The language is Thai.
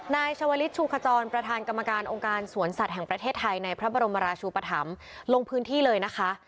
นายชวลิศชูขจรประธานกรรมการองค์การสวนสัตว์แห่งประเทศไทยในพระบรมราชูปธรรมลงพื้นที่เลยนะคะ